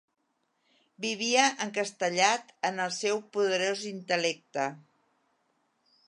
Vivia encastellat en el seu poderós intel·lecte.